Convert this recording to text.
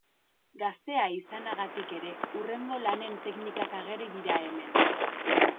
Gaztea izanagatik ere, hurrengo lanen teknikak ageri dira hemen.